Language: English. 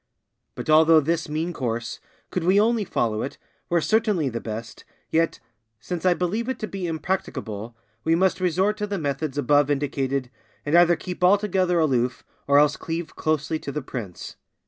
But although this mean course, could we only follow it, were certainly the best, yet, since I believe it to be impracticable, we must resort to the methods above indicated, and either keep altogether aloof, or else cleave closely to the prince.